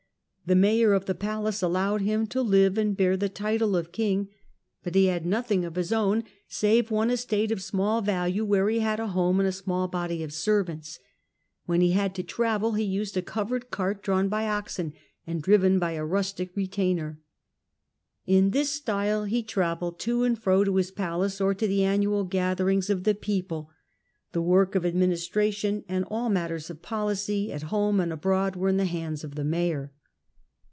The Mayor of the Palace allowed him to live and bear the title of king, but he had nothing of his CHARLES MARTEL 107 >wn save one estate of small value where he had a home tnd a small body of servants. When he had to travel, le used a covered cart drawn by oxen and driven by a •ustic retainer. In this style he travelled to and fro to lis palace or to the annual gatherings of the people. ?he work of administration and all matters of policy at lome and abroad were in the hands of the mayor."